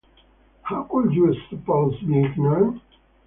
How could you suppose me ignorant?